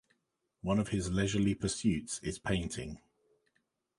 One of his leisurely pursuits is painting.